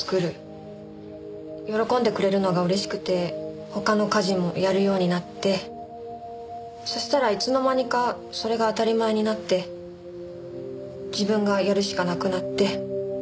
喜んでくれるのが嬉しくて他の家事もやるようになってそしたらいつの間にかそれが当たり前になって自分がやるしかなくなって。